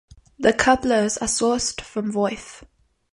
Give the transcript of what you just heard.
The couplers are sourced from Voith.